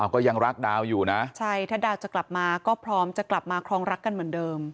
ก็ยังรักดาวอยู่นะใช่ถ้าดาวจะกลับมาก็พร้อมจะกลับมาครองรักกันเหมือนเดิม